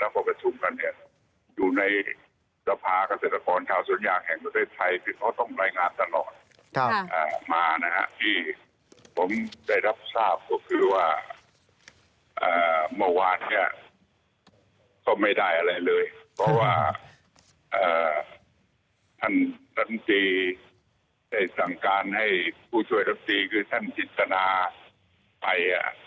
ก็ไม่ได้อะไรเลยเพราะว่าท่านท่านที่สั่งการให้ผู้ช่วยท่านที่คือท่านจิตนาไป